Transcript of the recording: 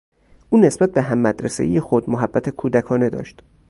او نسبت به هم مدرسهای خود محبت کودکانه داشت.